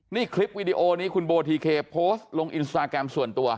นี่คลิปวีดีโอนี้คุณโบทีเคโพสต์ลงอินสตาแกรมส่วนตัว